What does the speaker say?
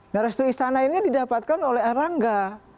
nah restu istana ini didapatkan oleh erlangga